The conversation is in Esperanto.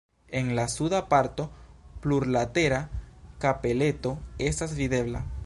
En la suda parto plurlatera kapeleto estas videbla.